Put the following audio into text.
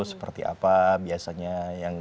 seperti apa biasanya yang